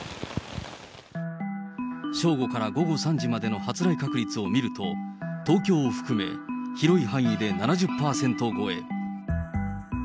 正午から午後３時までの発雷確率を見ると、東京を含め広い範囲で７０％超え。